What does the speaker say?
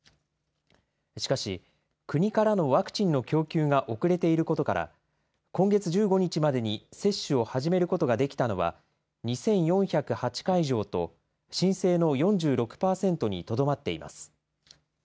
しかし、国からのワクチンの供給が遅れていることから、今月１５日までに接種を始めることができたのは、２４０８会場と、申請の４６％にとどまっています。